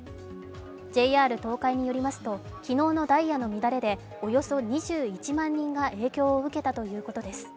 ＪＲ東海によりますと、昨日のダイヤの乱れでおよそ２１万人が影響を受けたということです。